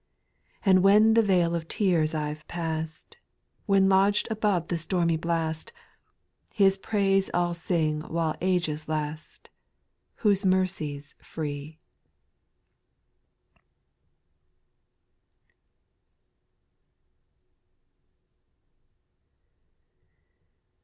And when the vale of tears I 've past, When lodged above the stormy blast, His praise I '11 sing while ages last. Whose mercy 's free.